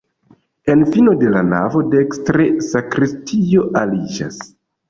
En fino de la navo dekstre sakristio aliĝas.